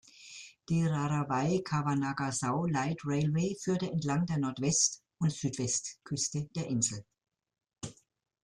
Die Rarawai–Kavanagasau Light Railway führte entlang der Nordwest- und Südwestküste der Insel.